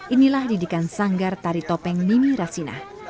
inilah didikan sanggar tari topeng mimi rasinah